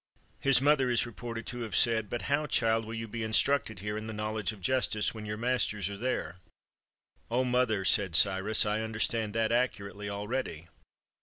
His mother is reported to have said, " But how, child, 300 WHEN CYRUS THE GREAT WAS A BOY will you be instructed here in the knowledge of justice, when your masters are there?" " Oh, mother," said Cyrus, " I understand that accu rately already."